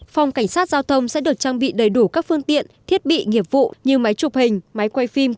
phòng cảnh sát giao thông sẽ được trang bị đầy đủ các phương tiện thiết bị nghiệp vụ như máy chụp hình máy quay phim